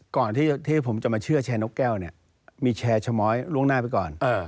ก่อนที่ผมจะมาเชื่อแชร์นกแก้วเนี่ยมีแชร์ชะม้อยล่วงหน้าไปก่อน